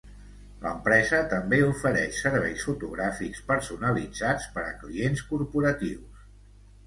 L'empresa també ofereix serveis fotogràfics personalitzats per a clients corporatius.